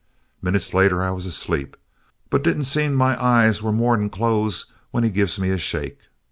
"Minute later I was asleep, but didn't seem my eyes were more'n close when he gives me a shake.